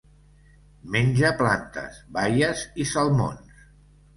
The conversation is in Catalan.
Menja plantes, baies i salmons.